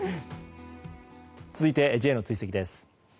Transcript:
続いて、Ｊの追跡です。